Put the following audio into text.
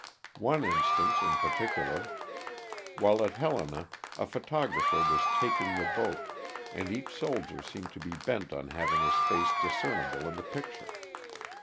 One instance in particular : While at Helena a photographer was ''taking" the boat, and each sol dier seemed to be bent on having his face discernible in the picture.